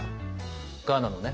ガーナのね